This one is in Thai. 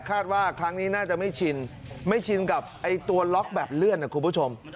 คาดว่าครั้งนี้น่าจะไม่ชินไม่ชินกับไอ้ตัวล็อกแบบเลื่อนนะคุณผู้ชม